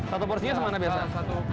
satu porsinya semana biasa